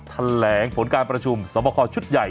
แถลงผลการประชุมสอบคอชุดใหญ่